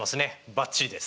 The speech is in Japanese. バッチリです。